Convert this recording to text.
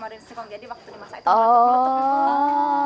jadi waktu dimasak itu matuk matuk